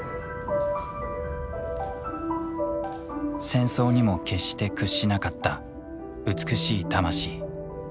戦争にも決して屈しなかった美しい魂。